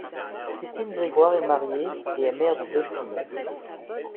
Christine Gregoire est mariée et est mère de deux filles.